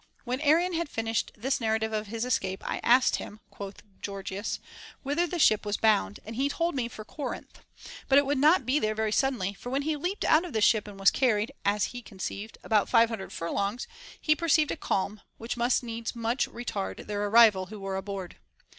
When Arion had finished this narrative of his escape, I asked him (quoth Gorgias) whither the ship was bound ; he told me for Corinth, but it would not be there very suddenly, for when he leaped out of the ship and was carried (as he conceived) about five hundred furlongs, he perceived a calm, which must needs much retard their arrival who were aboard.